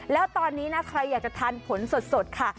แล้วตอนนี้นะใครอยากจะทานผลสดค่ะ